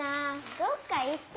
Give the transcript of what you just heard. どっか行って。